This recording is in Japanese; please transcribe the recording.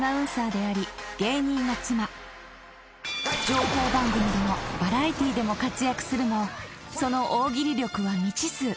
［情報番組でもバラエティーでも活躍するもその大喜利力は未知数］